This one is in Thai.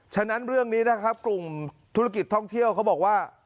ฉะนั้นเรื่องนี้นะครับกลุ่มธุรกิจท่องเที่ยวเขาบอกว่า